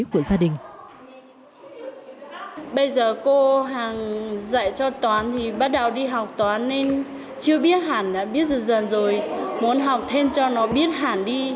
bây giờ cô hằng dạy cho toán thì bắt đầu đi học toán nên chưa biết hẳn đã biết dần dần rồi muốn học thêm cho nó biết hẳn đi